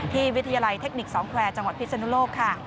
วิทยาลัยเทคนิคสองแควร์จังหวัดพิศนุโลกค่ะ